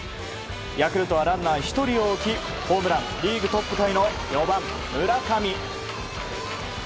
ヤクルトはランナー１人を置きホームランリーグトップタイの４番、村上。